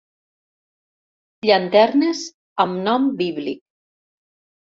Llanternes amb nom bíblic.